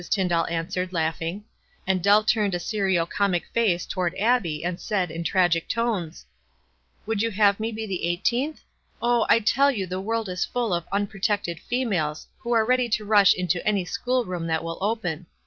Tyndall answered, laugh ing ; and Dell turned a serio comic face towaru Abbie, and said, in tragic tones, — "Would you have me the eighteenth? Oh, I tell you the world is full of ? unprotected fe males,' who are ready to rush into any school room that will open.